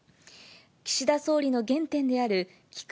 岸田総理の原点である聞く